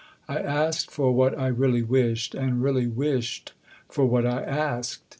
I asked for what I really wished, and really wished for what I asked.